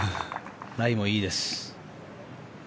ライもいいです。